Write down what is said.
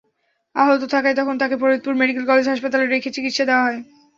আহত থাকায় তখন তাঁকে ফরিদপুর মেডিকেল কলেজ হাসপাতালে রেখে চিকিৎসা দেওয়া হয়।